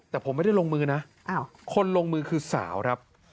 แต่ผมไม่ได้ลงมือนะคนลงมือคือสาวครับ